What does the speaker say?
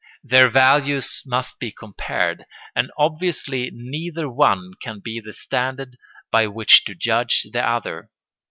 Their values must be compared, and obviously neither one can be the standard by which to judge the other.